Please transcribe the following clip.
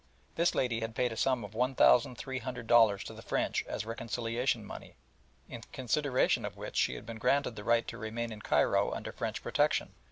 This lady had paid a sum of one thousand three hundred dollars to the French as reconciliation money, in consideration of which she had been granted the right to remain in Cairo under French protection.